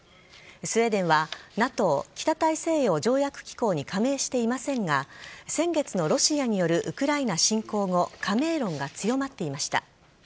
スウェーデンはＮＡＴＯ＝北大西洋条約機構に加盟していませんが先月のロシアによるウクライナ侵攻後加盟論が強まっていました。